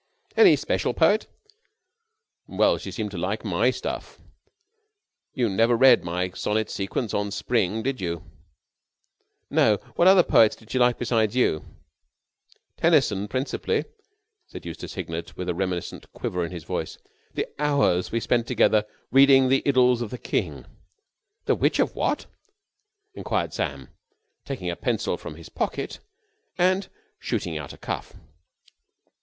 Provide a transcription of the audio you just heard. "Any special poet?" "Well, she seemed to like my stuff. You never read my sonnet sequence on Spring, did you?" "No. What other poets did she like besides you?" "Tennyson principally," said Eustace Hignett with a reminiscent quiver in his voice. "The hours we have spent together reading the Idylls of the King!" "The which of what?" enquired Sam, taking a pencil from his pocket and shooting out a cuff.